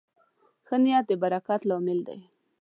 ښه نیت د برکت لامل دی.